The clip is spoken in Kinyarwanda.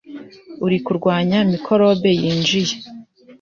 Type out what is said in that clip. uri kurwanya mikorobi yinjiye